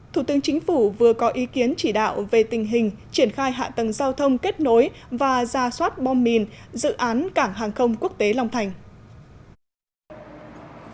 thủ tướng chính phủ vừa có ý kiến chỉ đạo về tình hình triển khai hạ tầng giao thông kết nối và ra soát bom mìn dự án cảng hàng không quốc tế long thành